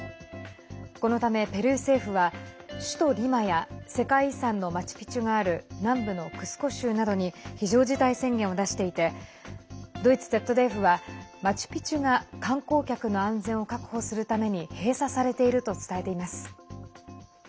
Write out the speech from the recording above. このため、ペルー政府は首都リマや世界遺産のマチュピチュがある南部のクスコ州などに非常事態宣言を出していてドイツＺＤＦはマチュピチュが観光客の安全を確保するために閉鎖されていると伝えています。